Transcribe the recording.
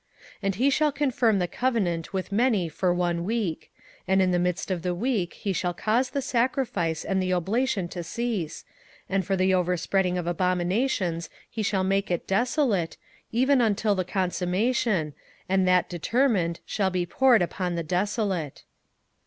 27:009:027 And he shall confirm the covenant with many for one week: and in the midst of the week he shall cause the sacrifice and the oblation to cease, and for the overspreading of abominations he shall make it desolate, even until the consummation, and that determined shall be poured upon the desolate.